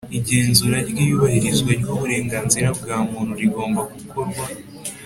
Igenzura ryiyubahirizwa ryuburenganzira bwa muntu rigomba gukorwa